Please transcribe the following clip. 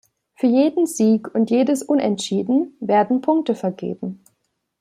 Für jeden Sieg und jedes Unentschieden werden Punkte vergeben.